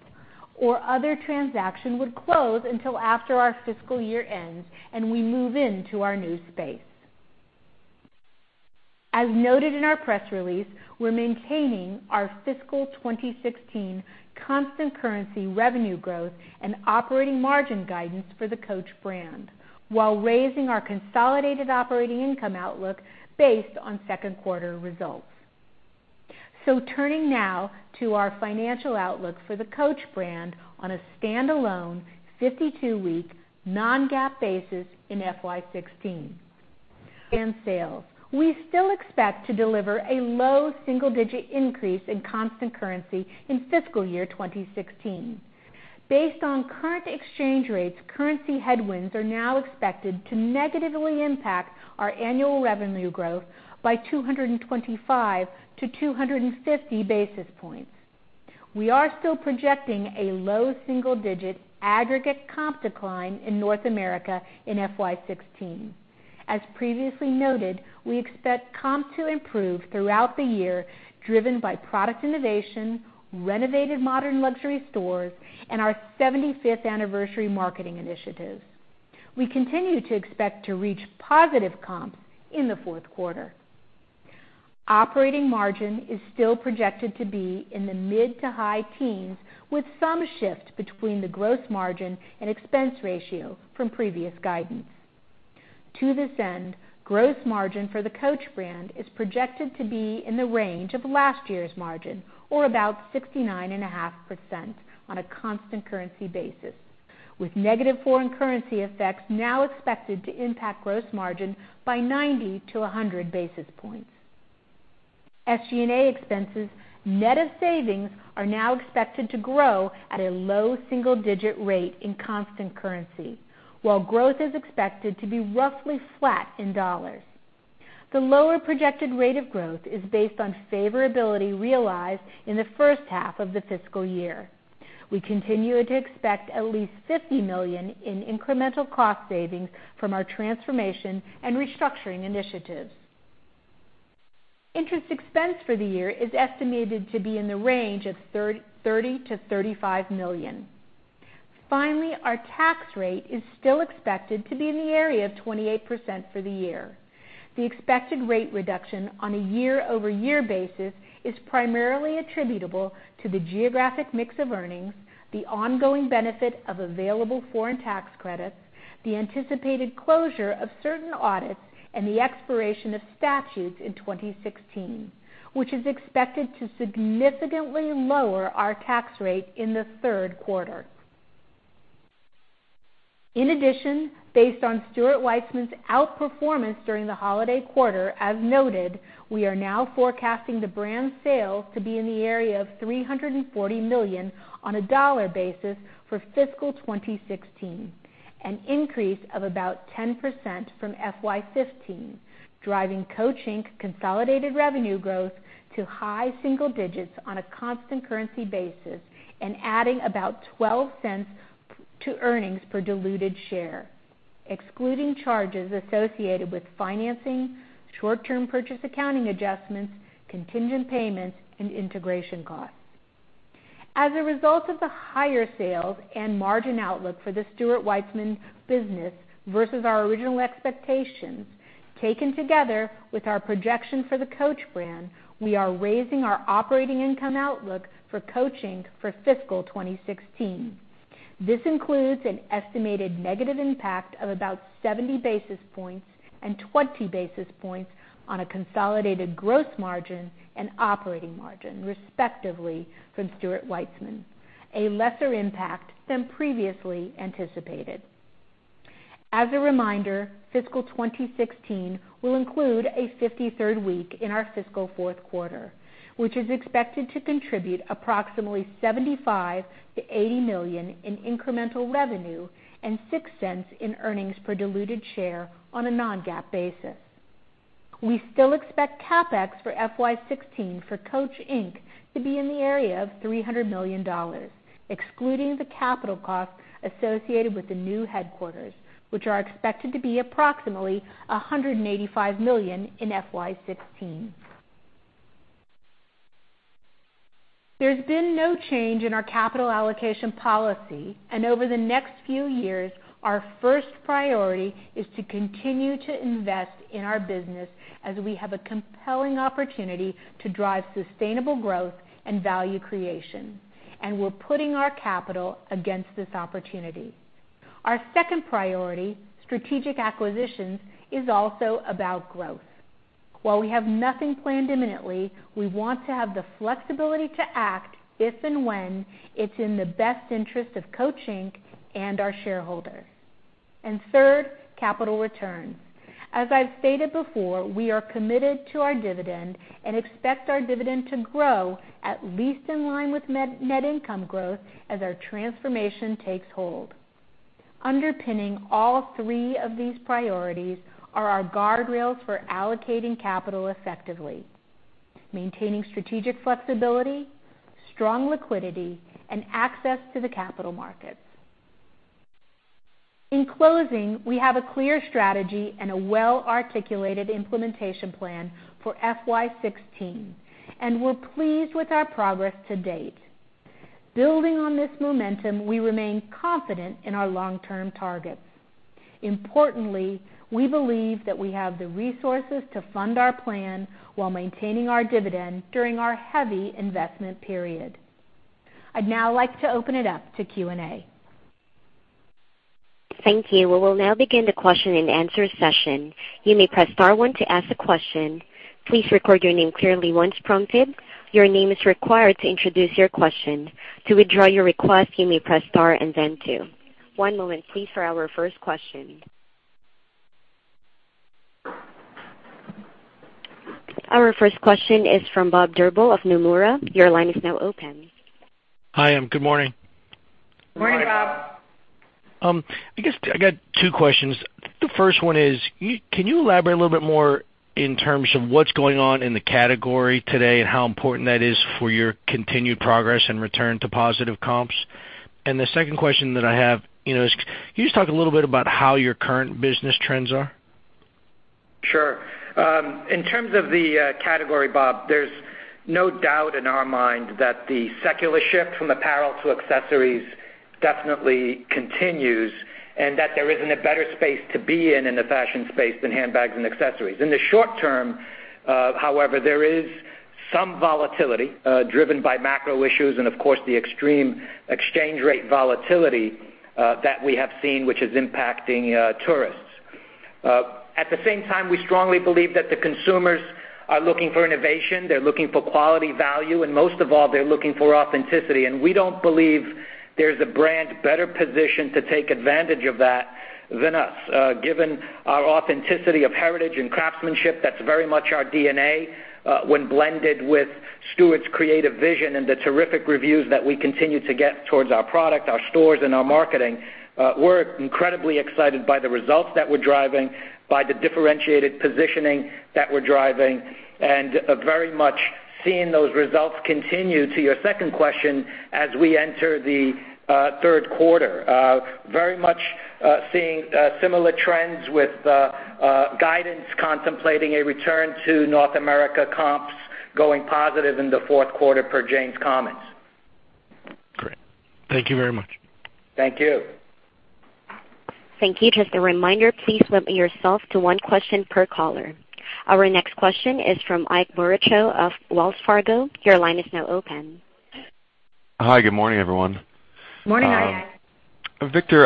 S5: or other transaction would close until after our fiscal year ends and we move into our new space. As noted in our press release, we're maintaining our fiscal 2016 constant currency revenue growth and operating margin guidance for the Coach brand while raising our consolidated operating income outlook based on second quarter results. Turning now to our financial outlook for the Coach brand on a standalone 52-week non-GAAP basis in FY 2016. Sales. We still expect to deliver a low single-digit increase in constant currency in fiscal year 2016. Based on current exchange rates, currency headwinds are now expected to negatively impact our annual revenue growth by 225-250 basis points. We are still projecting a low single-digit aggregate comp decline in North America in FY 2016. As previously noted, we expect comp to improve throughout the year, driven by product innovation, renovated modern luxury stores, and our 75th anniversary marketing initiative. We continue to expect to reach positive comp in the fourth quarter. Operating margin is still projected to be in the mid-to-high teens, with some shift between the gross margin and expense ratio from previous guidance. To this end, gross margin for the Coach brand is projected to be in the range of last year's margin, or about 69.5% on a constant currency basis, with negative foreign currency effects now expected to impact gross margin by 90-100 basis points. SG&A expenses, net of savings, are now expected to grow at a low single-digit rate in constant currency, while growth is expected to be roughly flat in dollars. The lower projected rate of growth is based on favorability realized in the first half of the fiscal year. We continue to expect at least $50 million in incremental cost savings from our transformation and restructuring initiatives. Interest expense for the year is estimated to be in the range of $30 million-$35 million. Finally, our tax rate is still expected to be in the area of 28% for the year. The expected rate reduction on a year-over-year basis is primarily attributable to the geographic mix of earnings, the ongoing benefit of available foreign tax credits, the anticipated closure of certain audits, and the expiration of statutes in 2016, which is expected to significantly lower our tax rate in the third quarter. In addition, based on Stuart Weitzman's outperformance during the holiday quarter, as noted, we are now forecasting the brand's sales to be in the area of $340 million on a dollar basis for fiscal 2016, an increase of about 10% from FY 2015, driving Coach, Inc.'s consolidated revenue growth to high single digits on a constant currency basis and adding about $0.12 to earnings per diluted share, excluding charges associated with financing, short-term purchase, accounting adjustments, contingent payments, and integration costs. As a result of the higher sales and margin outlook for the Stuart Weitzman business versus our original expectations, taken together with our projection for the Coach brand, we are raising our operating income outlook for Coach, Inc. for fiscal 2016. This includes an estimated negative impact of about 70 basis points and 20 basis points on a consolidated gross margin and operating margin, respectively, from Stuart Weitzman, a lesser impact than previously anticipated. As a reminder, fiscal 2016 will include a 53rd week in our fiscal fourth quarter, which is expected to contribute approximately $75 million-$80 million in incremental revenue and $0.06 in earnings per diluted share on a non-GAAP basis. We still expect CapEx for FY 2016 for Coach, Inc. to be in the area of $300 million, excluding the capital costs associated with the new headquarters, which are expected to be approximately $185 million in FY 2016. There's been no change in our capital allocation policy. Over the next few years, our first priority is to continue to invest in our business as we have a compelling opportunity to drive sustainable growth and value creation. We're putting our capital against this opportunity. Our second priority, strategic acquisitions, is also about growth. While we have nothing planned imminently, we want to have the flexibility to act if and when it's in the best interest of Coach, Inc. and our shareholders. Third, capital return. As I've stated before, we are committed to our dividend and expect our dividend to grow at least in line with net income growth as our transformation takes hold. Underpinning all three of these priorities are our guardrails for allocating capital effectively, maintaining strategic flexibility, strong liquidity, and access to the capital markets. In closing, we have a clear strategy and a well-articulated implementation plan for FY 2016. We're pleased with our progress to date. Building on this momentum, we remain confident in our long-term targets. Importantly, we believe that we have the resources to fund our plan while maintaining our dividend during our heavy investment period. I'd now like to open it up to Q&A.
S1: Thank you. We will now begin the question-and-answer session. You may press star one to ask a question. Please record your name clearly once prompted. Your name is required to introduce your question. To withdraw your request, you may press star and then two. One moment, please, for our first question. Our first question is from Bob Drbul of Nomura. Your line is now open.
S6: Hi, good morning.
S5: Good morning, Bob.
S6: I guess I got two questions. The first one is, can you elaborate a little bit more in terms of what's going on in the category today and how important that is for your continued progress and return to positive comps? The second question that I have is, can you just talk a little bit about how your current business trends are?
S3: Sure. In terms of the category, Bob, there's no doubt in our mind that the secular shift from apparel to accessories definitely continues, and that there isn't a better space to be in in the fashion space than handbags and accessories. In the short term, however, there is some volatility driven by macro issues and, of course, the extreme exchange rate volatility that we have seen, which is impacting tourists. At the same time, we strongly believe that the consumers are looking for innovation. They're looking for quality, value, and most of all, they're looking for authenticity, and we don't believe There's a brand better positioned to take advantage of that than us, given our authenticity of heritage and craftsmanship, that's very much our DNA. When blended with Stuart's creative vision and the terrific reviews that we continue to get towards our product, our stores, and our marketing. We're incredibly excited by the results that we're driving, by the differentiated positioning that we're driving, and very much seeing those results continue. To your second question, as we enter the third quarter, very much seeing similar trends with guidance contemplating a return to North America comps going positive in the fourth quarter per Jane's comments.
S6: Great. Thank you very much.
S3: Thank you.
S1: Thank you. Just a reminder, please limit yourself to one question per caller. Our next question is from Ike Boruchow of Wells Fargo. Your line is now open.
S7: Hi. Good morning, everyone.
S4: Morning, Ike.
S7: Victor,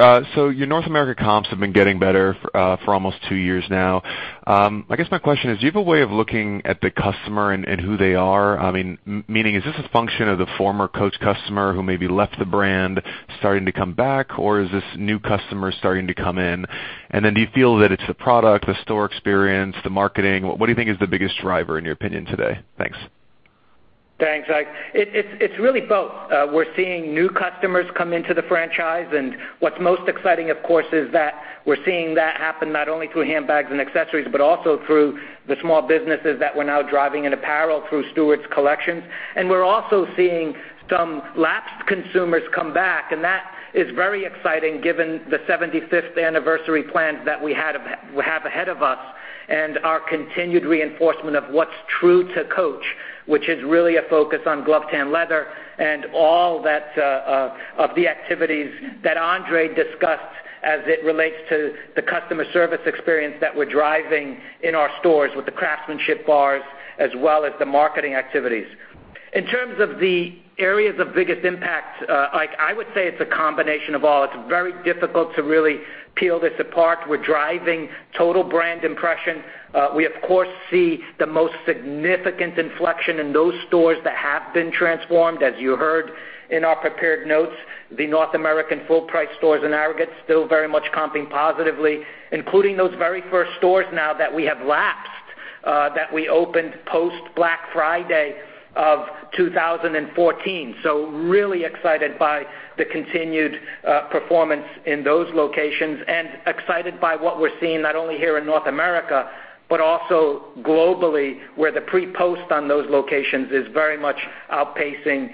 S7: your North America comps have been getting better for almost two years now. I guess my question is, do you have a way of looking at the customer and who they are? Meaning, is this a function of the former Coach customer who maybe left the brand starting to come back, or is this new customers starting to come in? Do you feel that it's the product, the store experience, the marketing? What do you think is the biggest driver in your opinion today? Thanks.
S3: Thanks, Ike. It is really both. We are seeing new customers come into the franchise. What is most exciting, of course, is that we are seeing that happen not only through handbags and accessories, but also through the small businesses that we are now driving in apparel through Stuart's collections. We are also seeing some lapsed consumers come back, and that is very exciting given the 75th anniversary plans that we have ahead of us and our continued reinforcement of what is true to Coach, which is really a focus on gloved tan leather and all of the activities that Andre discussed as it relates to the customer service experience that we are driving in our stores with the craftsmanship bars as well as the marketing activities. In terms of the areas of biggest impact, Ike, I would say it is a combination of all. It is very difficult to really peel this apart. We are driving total brand impression. We of course see the most significant inflection in those stores that have been transformed. As you heard in our prepared notes, the North American full price stores in aggregate still very much comping positively, including those very first stores now that we have lapsed, that we opened post Black Friday of 2014. Really excited by the continued performance in those locations and excited by what we are seeing not only here in North America, but also globally, where the pre-post on those locations is very much outpacing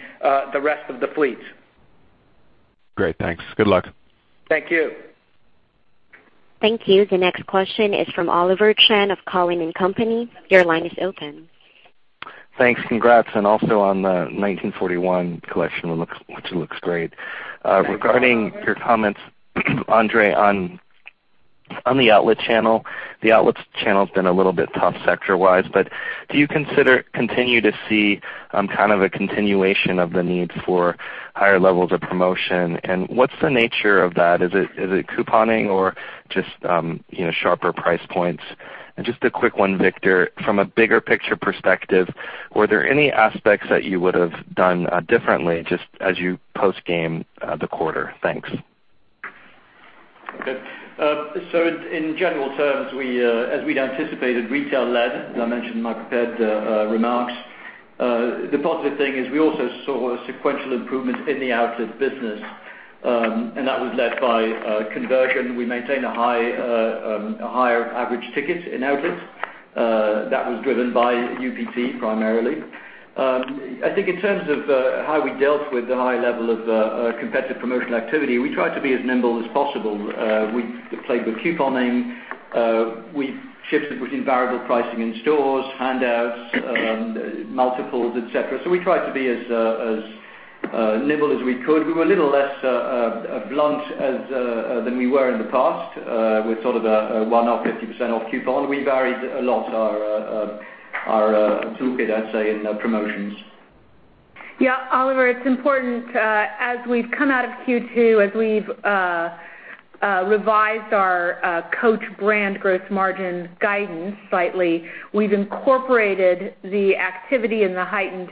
S3: the rest of the fleet.
S7: Great. Thanks. Good luck.
S3: Thank you.
S1: Thank you. The next question is from Oliver Chen of Cowen and Company. Your line is open.
S8: Thanks. Congrats. Also on the 1941 collection, which looks great.
S3: Thanks, Oliver.
S8: Regarding your comments, Andre, on the outlet channel, the outlets channel's been a little bit tough sector-wise, do you continue to see a continuation of the need for higher levels of promotion? What's the nature of that? Is it couponing or just sharper price points? Just a quick one, Victor. From a bigger picture perspective, were there any aspects that you would've done differently just as you post game the quarter? Thanks.
S4: In general terms, as we'd anticipated, retail-led, as I mentioned in my prepared remarks. The positive thing is we also saw a sequential improvement in the outlet business, and that was led by conversion. We maintained a higher average ticket in outlets. That was driven by UPT, primarily. I think in terms of how we dealt with the high level of competitive promotional activity, we tried to be as nimble as possible. We played with couponing. We shifted between variable pricing in stores, handouts, multiples, et cetera. We tried to be as nimble as we could. We were a little less blunt than we were in the past with sort of a 150% off coupon. We varied a lot our toolkit, I'd say, in promotions.
S5: Yeah, Oliver, it's important as we've come out of Q2, as we've revised our Coach brand gross margin guidance slightly, we've incorporated the activity and the heightened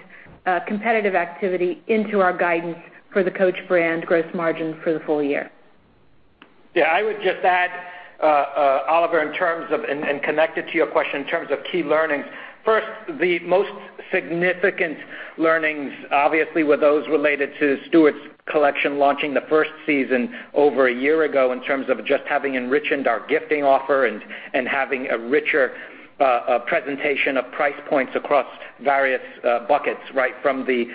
S5: competitive activity into our guidance for the Coach brand gross margin for the full year.
S3: Yeah, I would just add, Oliver, connected to your question in terms of key learnings. First, the most significant learnings obviously were those related to Stuart's collection launching the first season over a year ago in terms of just having enrichened our gifting offer and having a richer presentation of price points across various buckets. From the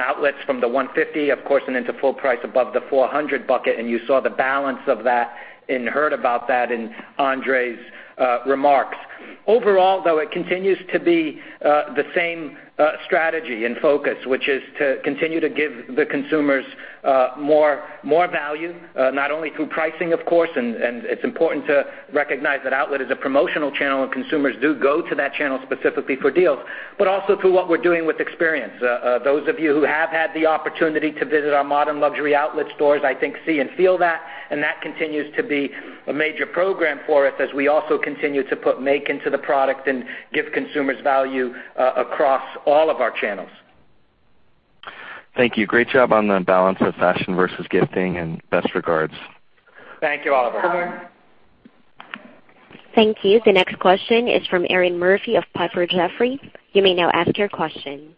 S3: outlets from the $150, of course, and into full price above the $400 bucket, and you saw the balance of that and heard about that in Andre's remarks. Overall, though, it continues to be the same strategy and focus, which is to continue to give the consumers more value, not only through pricing, of course, and it's important to recognize that outlet is a promotional channel and consumers do go to that channel specifically for deals, but also through what we're doing with experience. Those of you who have had the opportunity to visit our modern luxury outlet stores, I think, see and feel that continues to be a major program for us as we also continue to put make into the product and give consumers value across all of our channels.
S8: Thank you. Great job on the balance of fashion versus gifting and best regards.
S3: Thank you, Oliver.
S1: Thank you. The next question is from Erinn Murphy of Piper Jaffray. You may now ask your question.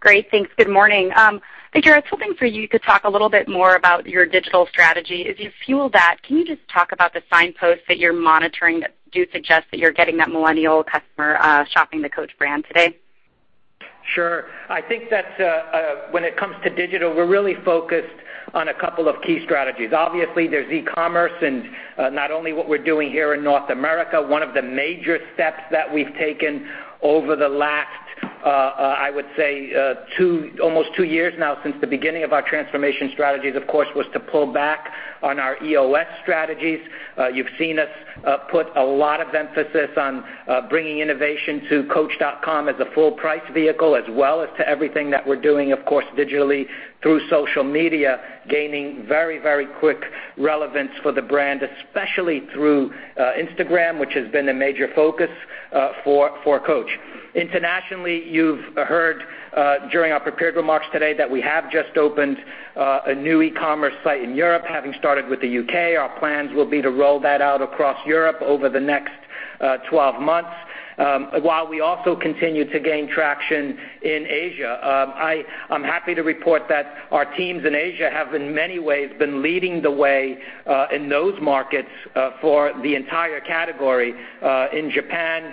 S9: Great. Thanks. Good morning. Hey, Victor, I was hoping for you to talk a little bit more about your digital strategy. As you fuel that, can you just talk about the signposts that you're monitoring that do suggest that you're getting that millennial customer shopping the Coach brand today?
S3: Sure. I think that when it comes to digital, we're really focused on a couple of key strategies. Obviously, there's e-commerce and not only what we're doing here in North America. One of the major steps that we've taken over the last, I would say, almost two years now since the beginning of our transformation strategies, of course, was to pull back on our EOS strategies. You've seen us put a lot of emphasis on bringing innovation to Coach as a full-price vehicle, as well as to everything that we're doing, of course, digitally through social media, gaining very quick relevance for the brand, especially through Instagram, which has been a major focus for Coach. Internationally, you've heard during our prepared remarks today that we have just opened a new e-commerce site in Europe, having started with the U.K. Our plans will be to roll that out across Europe over the next 12 months while we also continue to gain traction in Asia. I'm happy to report that our teams in Asia have in many ways been leading the way in those markets for the entire category. In Japan,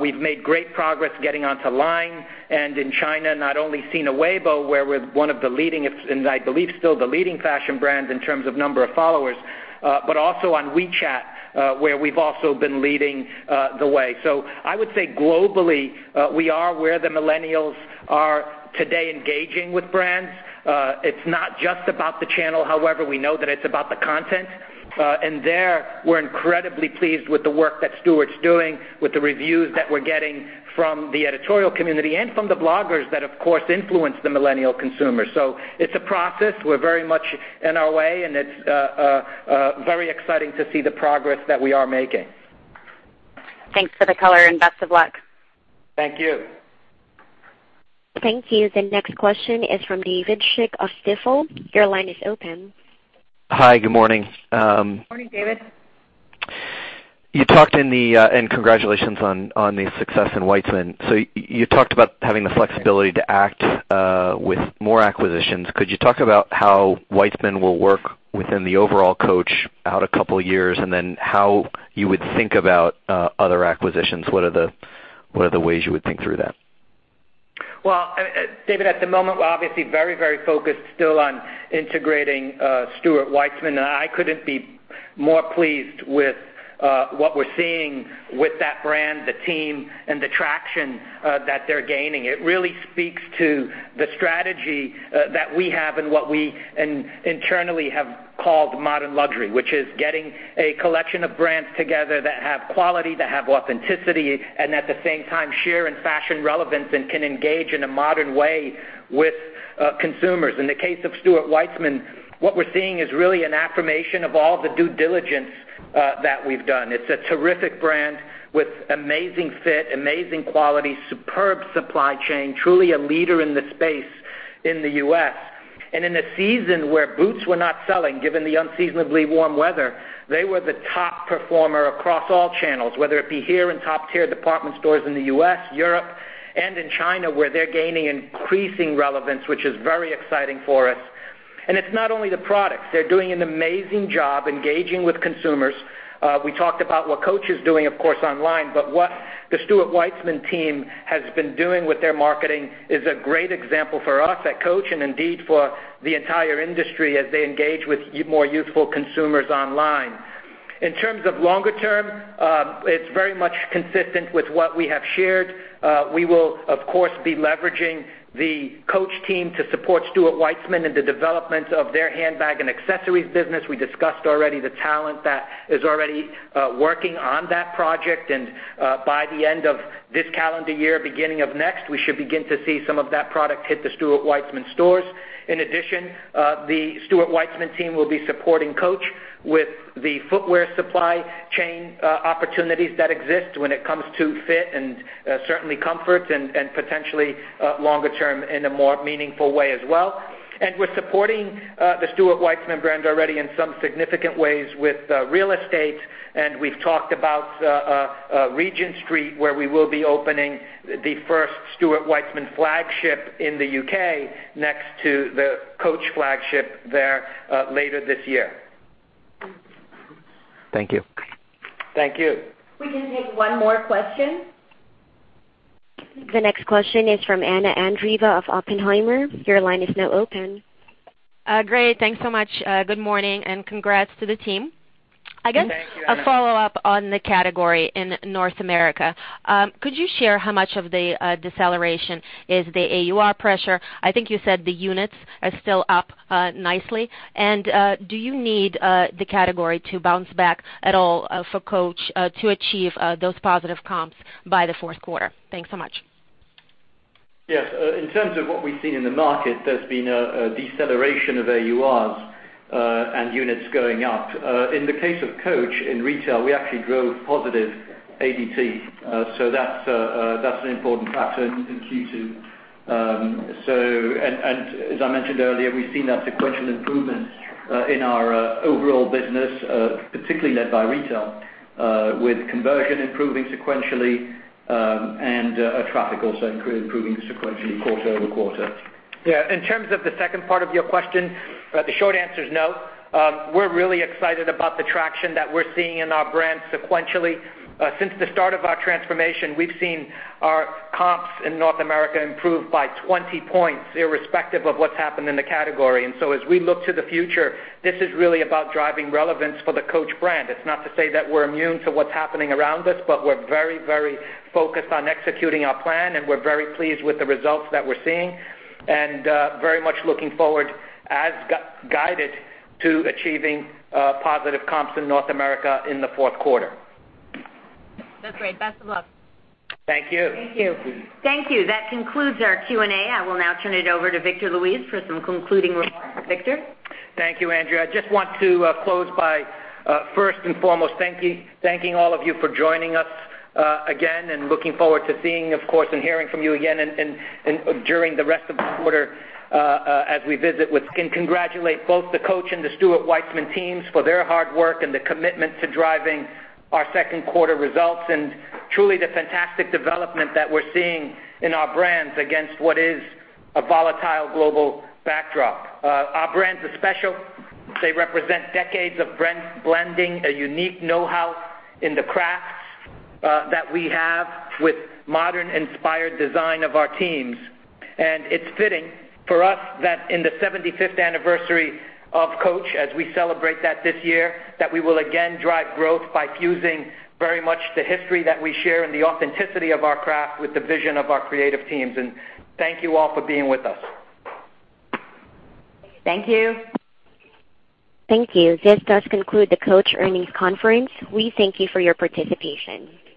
S3: we've made great progress getting onto LINE and in China, not only Sina Weibo, where we're one of the leading, and I believe still the leading fashion brand in terms of number of followers, but also on WeChat, where we've also been leading the way. I would say globally, we are where the millennials are today engaging with brands. It's not just about the channel. However, we know that it's about the content. There, we're incredibly pleased with the work that Stuart's doing, with the reviews that we're getting from the editorial community and from the bloggers that of course, influence the millennial consumer. It's a process. We're very much in our way, and it's very exciting to see the progress that we are making.
S9: Thanks for the color and best of luck.
S3: Thank you.
S1: Thank you. The next question is from David Schick of Stifel. Your line is open.
S10: Hi, good morning.
S3: Good morning, David.
S10: Congratulations on the success in Weitzman. You talked about having the flexibility to act with more acquisitions. Could you talk about how Weitzman will work within the overall Coach out a couple of years, and then how you would think about other acquisitions? What are the ways you would think through that?
S3: Well, David, at the moment, we're obviously very focused still on integrating Stuart Weitzman. I couldn't be more pleased with what we're seeing with that brand, the team, and the traction that they're gaining. It really speaks to the strategy that we have and what we internally have called modern luxury, which is getting a collection of brands together that have quality, that have authenticity, and at the same time, share in fashion relevance and can engage in a modern way with consumers. In the case of Stuart Weitzman, what we're seeing is really an affirmation of all the due diligence that we've done. It's a terrific brand with amazing fit, amazing quality, superb supply chain, truly a leader in the space in the U.S. In a season where boots were not selling, given the unseasonably warm weather, they were the top performer across all channels, whether it be here in top-tier department stores in the U.S., Europe, and in China, where they're gaining increasing relevance, which is very exciting for us. It's not only the products. They're doing an amazing job engaging with consumers. We talked about what Coach is doing, of course, online, but what the Stuart Weitzman team has been doing with their marketing is a great example for us at Coach and indeed for the entire industry as they engage with more youthful consumers online. In terms of longer term, it's very much consistent with what we have shared. We will, of course, be leveraging the Coach team to support Stuart Weitzman in the development of their handbag and accessories business. We discussed already the talent that is already working on that project. By the end of this calendar year, beginning of next, we should begin to see some of that product hit the Stuart Weitzman stores. In addition, the Stuart Weitzman team will be supporting Coach with the footwear supply chain opportunities that exist when it comes to fit and certainly comfort, and potentially longer term in a more meaningful way as well. We're supporting the Stuart Weitzman brand already in some significant ways with real estate, and we've talked about Regent Street, where we will be opening the first Stuart Weitzman flagship in the U.K. next to the Coach flagship there later this year.
S10: Thank you.
S3: Thank you.
S1: We can take one more question. The next question is from Anna Andreeva of Oppenheimer. Your line is now open.
S11: Great. Thanks so much. Good morning and congrats to the team.
S3: Thank you, Anna.
S11: I guess a follow-up on the category in North America. Could you share how much of the deceleration is the AUR pressure? I think you said the units are still up nicely. Do you need the category to bounce back at all for Coach to achieve those positive comps by the fourth quarter? Thanks so much.
S3: Yes. In terms of what we've seen in the market, there's been a deceleration of AURs.
S4: Units going up. In the case of Coach, in retail, we actually drove positive ADT. That's an important factor in Q2. As I mentioned earlier, we've seen that sequential improvement in our overall business, particularly led by retail, with conversion improving sequentially and traffic also improving sequentially quarter-over-quarter.
S3: Yeah. In terms of the second part of your question, the short answer is no. We're really excited about the traction that we're seeing in our brand sequentially. Since the start of our transformation, we've seen our comps in North America improve by 20 points, irrespective of what's happened in the category. As we look to the future, this is really about driving relevance for the Coach brand. It's not to say that we're immune to what's happening around us, but we're very focused on executing our plan, and we're very pleased with the results that we're seeing. Very much looking forward as guided to achieving positive comps in North America in the fourth quarter.
S11: That's great. Best of luck.
S3: Thank you.
S4: Thank you.
S2: Thank you. That concludes our Q&A. I will now turn it over to Victor Luis for some concluding remarks. Victor?
S3: Thank you, Andrea. I just want to close by, first and foremost, thanking all of you for joining us again and looking forward to seeing, of course, and hearing from you again during the rest of the quarter as we visit with, and congratulate both the Coach and the Stuart Weitzman teams for their hard work and the commitment to driving our second quarter results, and truly the fantastic development that we're seeing in our brands against what is a volatile global backdrop. Our brands are special. They represent decades of blending a unique know-how in the crafts that we have with modern inspired design of our teams. It's fitting for us that in the 75th anniversary of Coach, as we celebrate that this year, that we will again drive growth by fusing very much the history that we share and the authenticity of our craft with the vision of our creative teams. Thank you all for being with us.
S2: Thank you.
S1: Thank you. This does conclude the Coach earnings conference. We thank you for your participation.